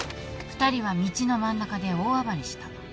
２人は道の真ん中で大暴れした。